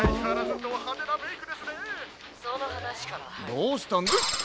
どうしたんヒッ！